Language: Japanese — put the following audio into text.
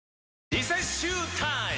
リセッシュータイム！